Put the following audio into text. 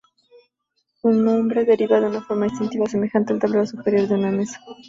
Su nombre deriva de su forma distintiva, semejante al tablero superior de una mesa.